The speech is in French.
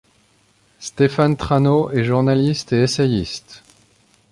Stéphane Trano est journaliste et essayiste.